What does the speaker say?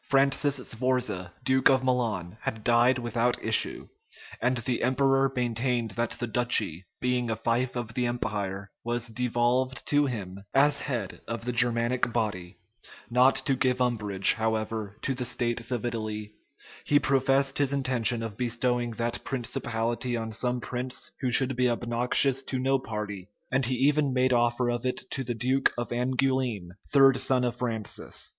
Francis Sforza, duke of Milan, had died without issue; and the emperor maintained that the duchy, being a fief of the empire, was devolved to him, as head of the Germanic body: not to give umbrage, however, to the states of Italy, he professed his intention of bestowing that principality on some prince who should be obnoxious to no party, and he even made offer of it to the duke of Angoulême, third son of Francis.